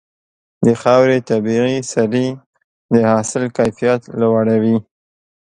د خاورې طبيعي سرې د حاصل کیفیت لوړوي.